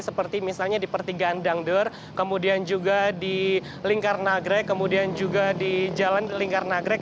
seperti misalnya di pertigaan dangdur kemudian juga di lingkar nagrek kemudian juga di jalan lingkar nagrek